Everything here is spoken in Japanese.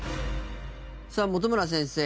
さあ本村先生。